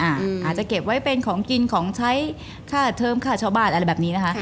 อาจจะเก็บไว้เป็นของกินของใช้ค่าเทิมค่าชาวบ้านอะไรแบบนี้นะคะ